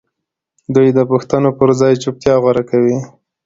دوی د پوښتنو پر ځای چوپتيا غوره کوي.